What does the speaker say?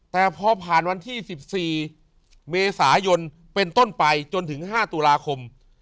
แต่พอผ่านวันที่๑๔เมษายนเป็นต้นไปจนถึง๕ตุลาคม